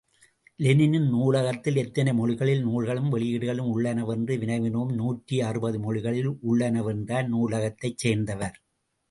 Lenin நூலகத்தில், எத்தனை மொழிகளில் நூல்களும் வெளியீடுகளும் உள்ளனவென்று வினவினோம், நூற்று அறுபது மொழிகளில் உள்ளனவென்றார் நூலகத்தைச் சேர்ந்தவர்.